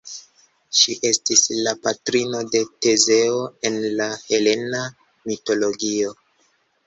Ŝi estis la patrino de Tezeo en la helena mitologio.